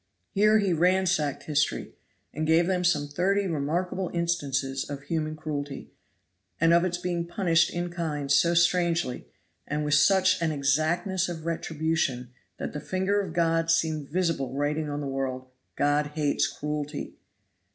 Here he ransacked history, and gave them some thirty remarkable instances of human cruelty, and of its being punished in kind so strangely, and with such an exactness of retribution, that the finger of God seemed visible writing on the world "God hates cruelty."